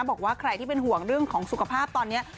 บอกว่าใครที่เป็นห่วงเรื่องของสุขภาพตอนนี้